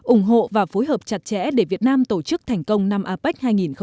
ủng hộ và phối hợp chặt chẽ để việt nam tổ chức thành công năm apec hai nghìn hai mươi